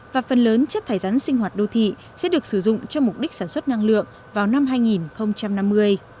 và phần lớn chất thải rắn sinh hoạt đô thị sẽ được sử dụng cho mục đích sản xuất năng lượng vào năm hai nghìn năm mươi